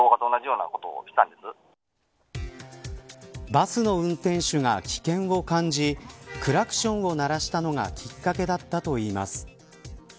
バスの運転手が危険を感じクラクションを鳴らしたのがきっかけだったといいます。